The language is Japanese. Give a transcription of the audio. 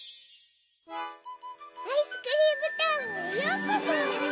アイスクリームタウンへようこそ！